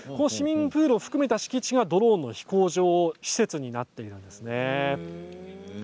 市民プールを含めた敷地がドローンの飛行場施設になっているんです。